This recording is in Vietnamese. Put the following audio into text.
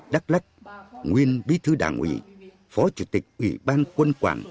đắk lắc nguyên bí thư đảng ủy phó chủ tịch ủy ban quân quản